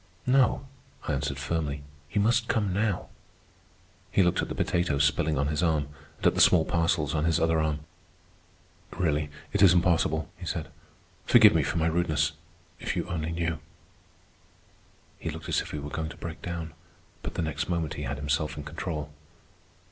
"No," I answered firmly. "You must come now." He looked at the potatoes spilling on his arm, and at the small parcels on his other arm. "Really, it is impossible," he said. "Forgive me for my rudeness. If you only knew." He looked as if he were going to break down, but the next moment he had himself in control.